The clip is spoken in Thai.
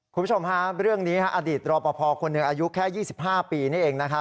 คุณผู้ชมฮะเรื่องนี้อดีตรอปภคนหนึ่งอายุแค่๒๕ปีนี่เอง